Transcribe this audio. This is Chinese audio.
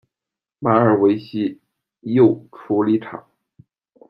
马尔维西铀处理厂。